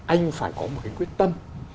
anh phải có một cái quyết tâm